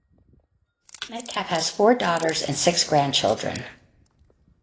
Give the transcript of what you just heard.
Metcalf has four daughters and six grandchildren.